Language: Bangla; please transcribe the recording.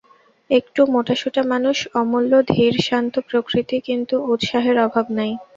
একটু মোটাসোটা মানুষ অমূল্য, ধীর শান্ত প্রকৃতি, কিন্তু উৎসাহের অভাব নাই।